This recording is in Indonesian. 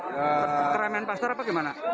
keramaian pasar apa gimana